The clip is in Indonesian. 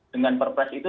dengan perpres itu